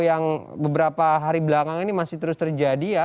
yang beberapa hari belakang ini masih terus terjadi ya